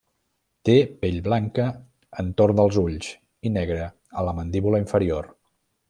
Té pell blanca entorn dels ulls i negra la mandíbula inferior.